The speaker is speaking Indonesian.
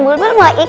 kedamaian banyak ini